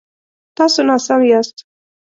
تاسو ناسم یاست